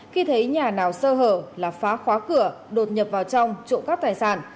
khi thấy nhà nào sơ hở là phá khóa cửa đột nhập vào trong trộm cắp tài sản